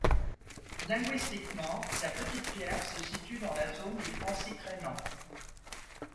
Linguistiquement, La Petite-Pierre se situe dans la zone du francique rhénan.